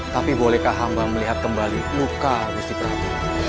tapi bolehkah hamba melihat kembali luka gusti prabu